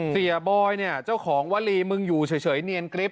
บอยเนี่ยเจ้าของวลีมึงอยู่เฉยเนียนกริ๊บ